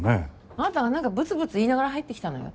あなたが何かぶつぶつ言いながら入ってきたのよ。